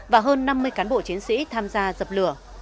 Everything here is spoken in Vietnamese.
và hơn năm mươi cán bộ chiến sĩ tham gia dập lửa